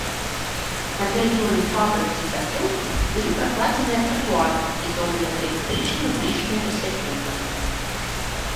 На тэрыторыі фабрыкі і пасёлка былі пракладзеныя тратуары і зроблена электрычнае вулічнае асвятленне.